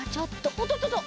おっとっとっと！